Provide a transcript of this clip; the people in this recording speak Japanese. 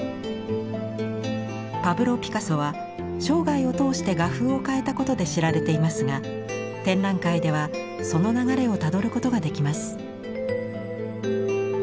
パブロ・ピカソは生涯を通して画風を変えたことで知られていますが展覧会ではその流れをたどることができます。